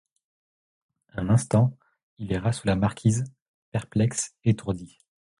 Un instant, il erra sous la marquise, perplexe, étourdi.